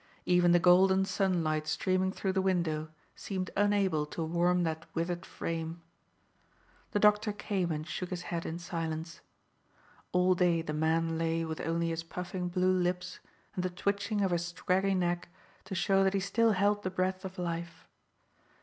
Even the golden sunlight streaming through the window seemed unable to warm that withered frame. The doctor came and shook his head in silence. All day the man lay with only his puffing blue lips and the twitching of his scraggy neck to show that he still held the breath of life.